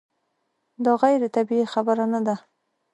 دا غیر طبیعي خبره نه ده.